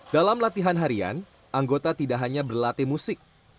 dalam latihan harian anggota tidak hanya berlatih musik